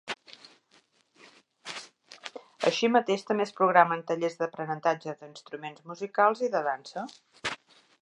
Així mateix també es programen tallers d'aprenentatge d'instruments musicals i de dansa.